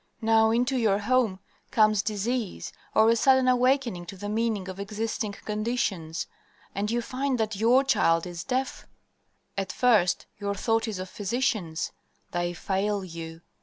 "Now, into your home comes disease or a sudden awakening to the meaning of existing conditions, and you find that your child is deaf. "At first your thought is of physicians; they fail you.